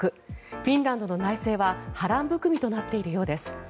フィンランドの内政は波乱含みとなっているようです。